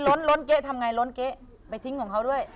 แล้วมีล้นเกะทำไงล้นเกะไปทิ้งของเขาด้วย